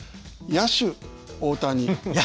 野手大谷。